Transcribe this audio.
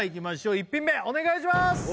１品目お願いします